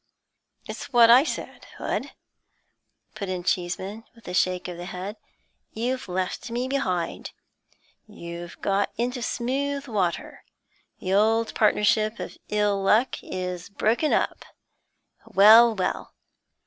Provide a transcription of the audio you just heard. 'It's what I said, Hood,' put in Cheeseman, with a shake of the head. 'You've left me behind. You've got into smooth water. The old partnership of ill luck is broken up. Well, well!